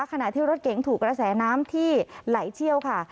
ขณะที่รถเก๋งถูกกระแสน้ำที่ไหลเชี่ยวค่ะ